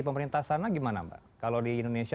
pemerintah sana gimana mbak kalau di indonesia